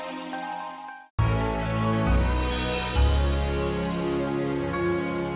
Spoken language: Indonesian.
itu lagi efek kecakepan